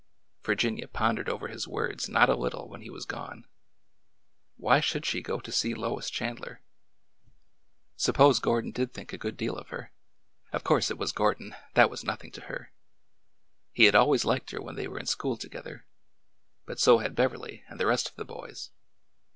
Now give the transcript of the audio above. Virginia pondered over his words not a little when he was gone. Why should she go to see Lois Chandler? i86 ORDER NO, 11 Suppose Gordon did think a good deal of her,— of course it was Gordon, —that was nothing to her ! He had always liked her when they were in school together— but so had Beverly and the rest of the boys.